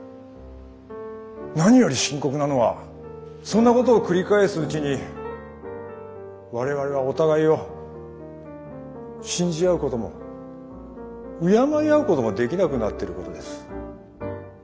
何より深刻なのはそんなことを繰り返すうちに我々はお互いを信じ合うことも敬い合うこともできなくなってることです。